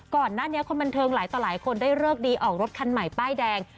ก่อนหน้านี้คนบันเทิงหลายต่อหลายคนได้เลิกดีออกรถคันใหม่ป้ายแดง